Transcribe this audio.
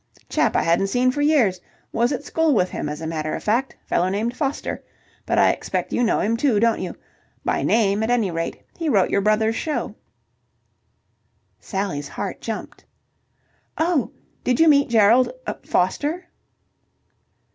"Chap I hadn't seen for years. Was at school with him, as a matter of fact. Fellow named Foster. But I expect you know him, too, don't you? By name, at any rate. He wrote your brother's show." Sally's heart jumped. "Oh! Did you meet Gerald Foster?"